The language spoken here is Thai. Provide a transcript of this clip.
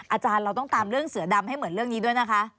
อาจารย์เราต้องตามเรื่องเสือดำให้เหมือนเรื่องนี้ด้วยนะคะ